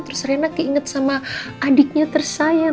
terus rena keinget sama adiknya tersayang